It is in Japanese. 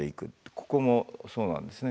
ここもそうなんですね。